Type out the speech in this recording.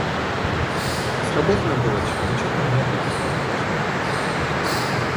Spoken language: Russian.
Сработано было чрезвычайно много на сорок два человека.